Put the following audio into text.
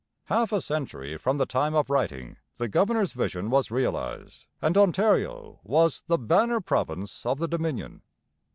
Half a century from the time of writing the governor's vision was realized and Ontario was the 'banner province' of the Dominion.